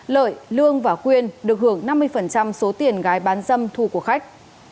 lợi lương và quyên được hưởng năm mươi số tiền gái bán dâm thu của khách